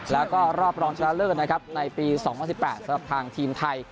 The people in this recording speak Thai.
แล้วก็รอบรองชนะเลิศนะครับในปี๒๐๑๘สำหรับทางทีมไทย